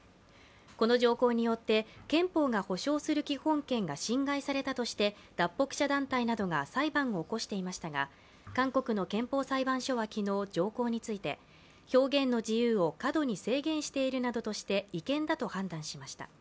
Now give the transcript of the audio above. この条項によって憲法が保障する基本権が侵害されたとして脱北者団体などが裁判を起こしていましたが韓国の憲法裁判所は昨日、条項について表現の自由を過度に制限しているなどとして違憲だと判断しました。